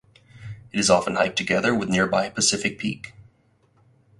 It is often hiked together with nearby Pacific Peak.